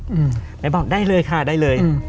อืมแม่บ้านได้เลยค่ะได้เลยอืม